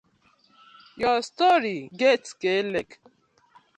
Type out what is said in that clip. Your story get k-leg!